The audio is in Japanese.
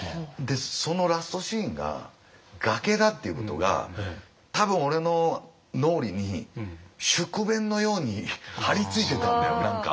そのラストシーンが崖だっていうことが多分俺の脳裏に宿便のように張り付いてたんだよ何か。